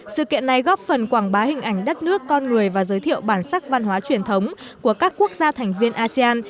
sự kiện này góp phần quảng bá hình ảnh đất nước con người và giới thiệu bản sắc văn hóa truyền thống của các quốc gia thành viên asean